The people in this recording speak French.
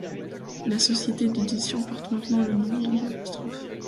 La société d'édition porte maintenant le nom d'.